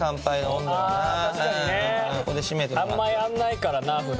あんまやんないからな普段な。